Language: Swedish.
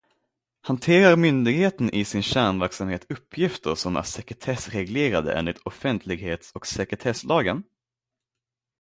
Hanterar myndigheten i sin kärnverksamhet uppgifter som är sekretessreglerade enligt offentlighets- och sekretesslagen?